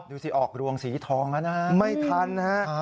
ดูสิออกรวงสีทองนะนะไม่ทันนะครับ